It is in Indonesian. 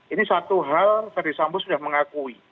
ini satu hal ferry sambo sudah mengakui